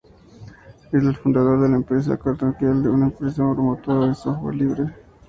Es el fundador de la empresa Canonical Ltd., una empresa promotora de software libre.